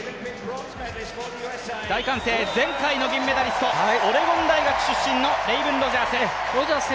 大歓声、前回の銀メダリストオレゴン大学出身のレイブン・ロジャース。